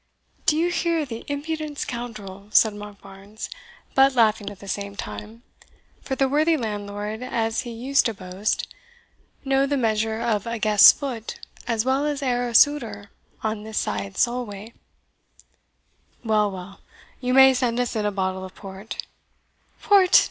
"D'ye hear the impudent scoundrel!" said Monkbarns, but laughing at the same time; for the worthy landlord, as he used to boast, know the measure of a guest's foot as well as e'er a souter on this side Solway; "well, well, you may send us in a bottle of port."